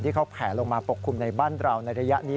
เขาแผลลงมาปกคลุมในบ้านเราในระยะนี้